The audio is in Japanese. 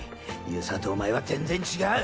遊佐とお前は全然違う！